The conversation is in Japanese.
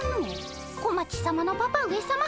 小町さまのパパ上さま